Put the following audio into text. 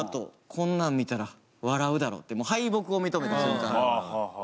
「こんなん見たら笑うだろ」って敗北を認めた。